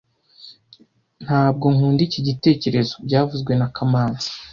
Ntabwo nkunda iki gitekerezo byavuzwe na kamanzi